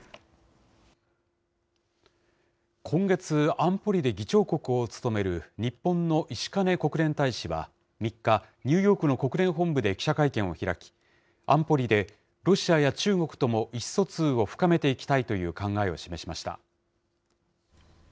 今月、安保理で議長国を務める日本の石兼国連大使は３日、ニューヨークの国連本部で記者会見を開き、安保理でロシアや中国とも意思疎通を深めていきたいという考えを示しました。